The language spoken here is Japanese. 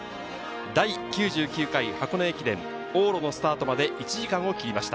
第９９回箱根駅伝往路のスタートまで１時間を切りました。